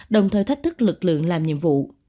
đồng thời thách thức lực lượng làm nhiệm vụ